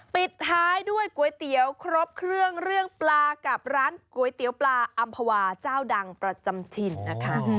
ปิดท้ายด้วยก๋วยเตี๋ยวครบเครื่องเรื่องปลากับร้านก๋วยเตี๋ยวปลาอำภาวาเจ้าดังประจำถิ่นนะคะ